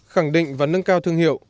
khẳng định và nâng cao thương hiệu